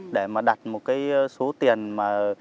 để mà đặt một cái số tiền mà